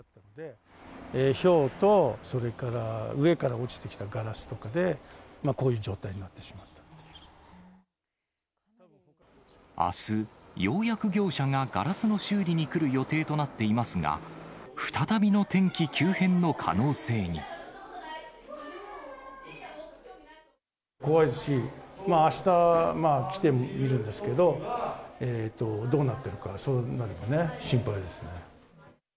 ひょうと、それから上から落ちてきたガラスとかで、こういう状態になってしあす、ようやく業者がガラスの修理に来る予定となっていますが、再びの怖いし、あした来てみるんですけど、どうなってるか、そういうのも心配ですね。